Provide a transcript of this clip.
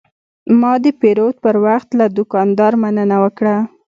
ما د پیرود پر وخت له دوکاندار مننه وکړه.